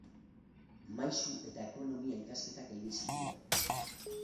Maisu eta ekonomia ikasketak egin zituen.